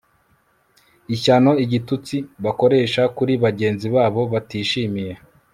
ishyano igitutsi bakoresha kuri bagenzi babo batishimiye